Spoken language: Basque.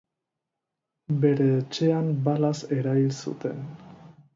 Bere etxean balaz erail zuten.